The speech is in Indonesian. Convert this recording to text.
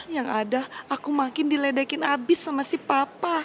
yang ada aku makin diledekin abis sama si papa